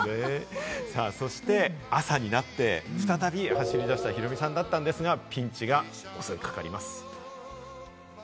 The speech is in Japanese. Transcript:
そして朝になって、再び走り出したヒロミさんだったんですが、ピンチが襲いかかります。